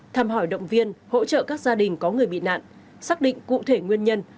thăm hỏi động viên hỗ trợ các gia đình có người bị nạn xác định cụ thể nguyên nhân